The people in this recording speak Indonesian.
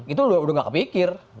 itu udah nggak kepikir